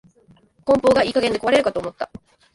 梱包がいい加減で壊れるかと思った